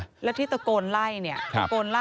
ไอ้แม่ได้เอาแม่ได้เอาแม่